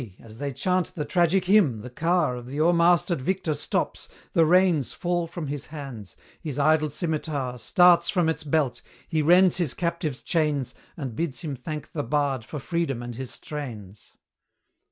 as they chant the tragic hymn, the car Of the o'ermastered victor stops, the reins Fall from his hands his idle scimitar Starts from its belt he rends his captive's chains, And bids him thank the bard for freedom and his strains.